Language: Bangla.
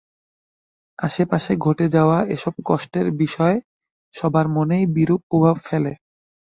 আশপাশে ঘটে যাওয়া এসব কষ্টের বিষয় সবার মনেই বিরূপ প্রভাব ফেলে।